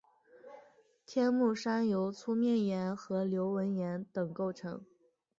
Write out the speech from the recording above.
天目山由粗面岩和流纹岩等构成。